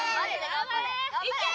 頑張れ！